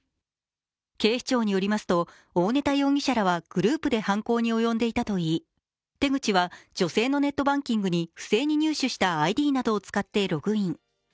警視庁によりますと、大根田容疑者らはグループで犯行に及んでいたといい手口は女性のネットバンキングに不正に入手したＩＤなどを使ってログイン。